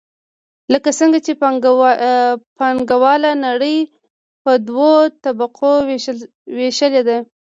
لکه څنګه چې پانګواله نړۍ په دوو طبقو ویشلې ده.